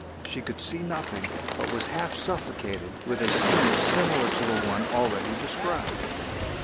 She could see nothing, but was half suffocated with a stench similar to the one already described.